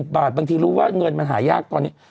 บาทบางทีรู้ว่าเงินมันหายากตอนนี้